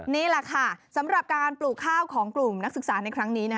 นี่แหละค่ะสำหรับการปลูกข้าวของกลุ่มนักศึกษาในครั้งนี้